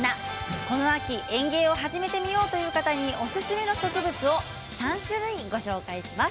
この秋、園芸を初めてみようという方におすすめの植物を３種類ご紹介します。